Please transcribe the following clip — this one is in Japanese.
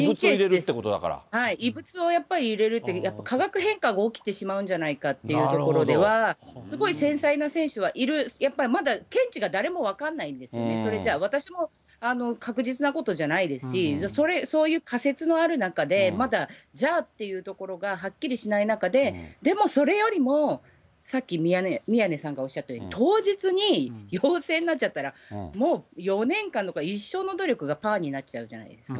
異物をやっぱり入れるって、化学変化が起きてしまうんじゃないかっていうところでは、すごい繊細な選手はいる、やっぱりまだ見地が誰も分からないんですよね、それじゃあ、私も確実なことじゃないですし、そういう仮説のある中で、まだ、じゃあっていうところが、はっきりしない中で、でも、それよりもさっき宮根さんがおっしゃったように、当日に陽性になっちゃったら、もう４年間どころか、一生の努力がパーになっちゃうじゃないですか。